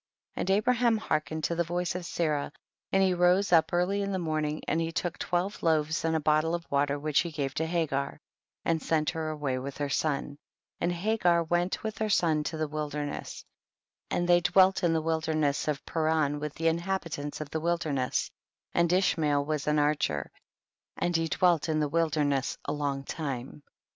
16. And Abraham hearkened to the voice of Sarah, and he rose up early in the morning, and he took twelve loaves and a bottle of water which he gave to Hagar, and sent her away with her son, and Hagar went with her son to the wilderness, and they dwelt in the wilderness of Paran with the inhabitants of the wil derness, and Ishmael was an archer, and he dwelt in the wilderness a long time.